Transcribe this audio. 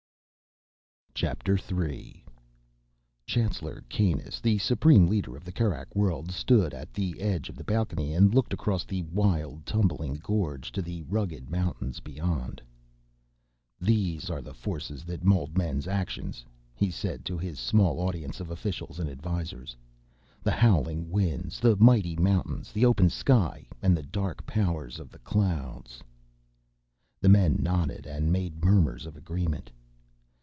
III Chancellor Kanus, the supreme leader of the Kerak Worlds, stood at the edge of the balcony and looked across the wild, tumbling gorge to the rugged mountains beyond. "These are the forces that mold men's actions," he said to his small audience of officials and advisors, "the howling winds, the mighty mountains, the open sky and the dark powers of the clouds." The men nodded and made murmurs of agreement.